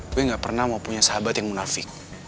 gue gak pernah mau punya sahabat yang munafik